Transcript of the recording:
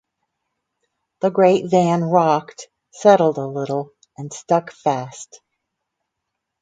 The great van rocked, settled a little, and stuck fast.